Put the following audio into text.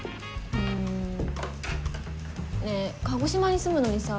うんねえ鹿児島に住むのにさ